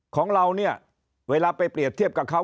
ของเราเนี่ยเวลาไปเปรียบเทียบกับเขา